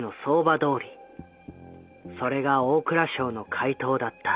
それが大蔵省の回答だった。